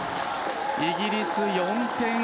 イギリス、４点。